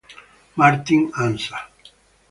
Martín Anza